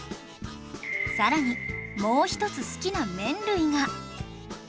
さらにもう一つ好きな麺類が